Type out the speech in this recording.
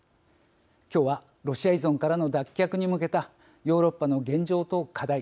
きょうは、ロシア依存からの脱却に向けたヨーロッパの現状と課題